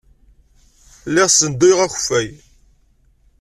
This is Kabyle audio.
Lliɣ ssenduyeɣ akeffay.